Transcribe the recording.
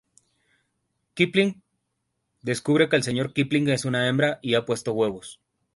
Kipling" descubre que el Sr Kipling es una hembra, y que ha puesto huevos.